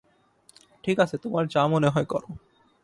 ঠিক আছে, তোমার যা মনে হয় করো।